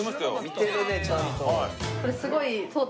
見てるねちゃんと。